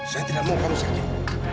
saya tidak mau kamu sakit